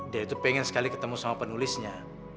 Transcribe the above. dia itu pengen sekali ketemu sama penulisnya